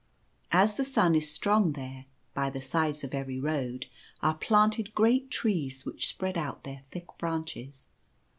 As the sun is strong there, by the sides of every road are planted great trees which spread out their thick branches.